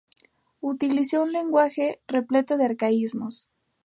Utilizó un lenguaje repleto de arcaísmos.